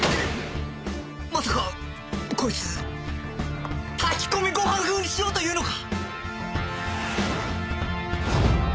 まさかこいつ炊き込みご飯風にしようというのか！？